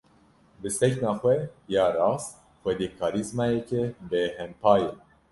Bi sekna xwe ya rast, xwedî karîzmayeke bêhempa ye.